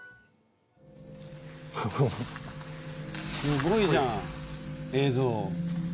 すごいじゃん、映像。